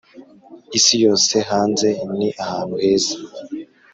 isi yo hanze ni ahantu heza,